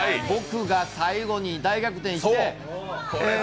僕が最後に大逆転して。